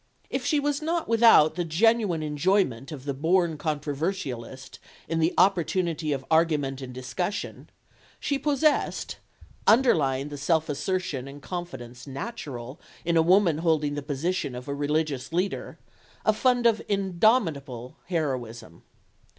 If she was not without the genuine enjoyment of the born controversialist in the opportunity of argument and discussion, she possessed, underlying the self assertion and confidence natural in a woman holding the position of a religious leader, a fund of indomitable heroism.